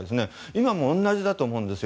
今も同じだと思うんです。